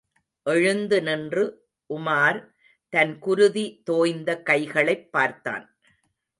எழுந்து நின்று உமார் தன் குருதி தோய்ந்த கைகளைப் பார்த்தான்.